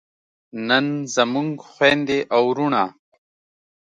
نن زموږ خویندې او وروڼه